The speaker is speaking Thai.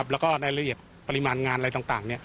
แล้วก็ในละเอียดปริมาณงานอะไรต่าง